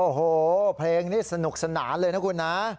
โอ้โหเพลงนี้สนุกสนานเลยนะคุณนะ